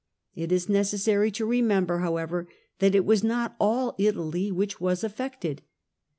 It is necessary to remember, however, that it was not all Italy which was affected.